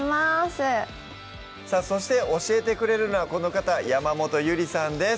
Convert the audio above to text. さぁそして教えてくれるのはこの方山本ゆりさんです